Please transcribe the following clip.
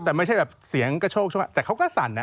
แต่ไม่ใช่แบบเสียงกระโชคใช่ไหมแต่เขาก็สั่น